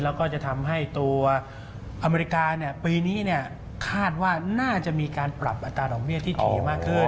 แล้วก็จะทำให้ตัวอเมริกาปีนี้คาดว่าน่าจะมีการปรับอัตราดอกเบี้ยที่ดีมากขึ้น